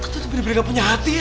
tante bener bener gak punya hati ya